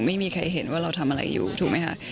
ไม่มีใครเห็นว่าเราทำอะไรอยู่ถูกไหมคะ